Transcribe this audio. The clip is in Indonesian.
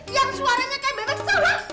yang suaranya kayak bebek sawah